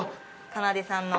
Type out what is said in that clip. かなでさんの。